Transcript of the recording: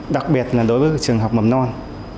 đặc biệt là đối với trường mầm non